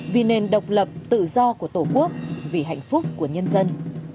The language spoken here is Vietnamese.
vì nền độc lập tự do của tổ quốc vì hạnh phúc của nhân dân